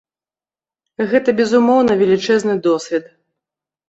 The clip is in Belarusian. Гэта, безумоўна, велічэзны досвед.